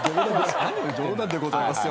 冗談でございますよ。